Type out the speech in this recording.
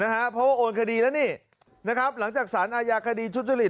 เพราะว่าโอนคดีแล้วนี่นะครับหลังจากสารอาญาคดีทุจริต